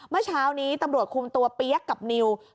เมื่อเช้านี้ตำรวจคุมตัวเปี๊ยกกับนิว